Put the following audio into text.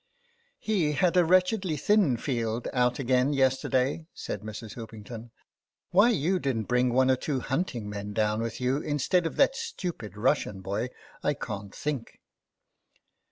" He had a wretchedly thin field out again yesterday," said Mrs. Hoopington. "Why you didn't bring one or two hunting men down with you, instead of that stupid Russian boy, I can't think."